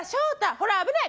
ほら危ない！